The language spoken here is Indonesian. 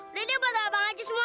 udah deh buat abang aja semua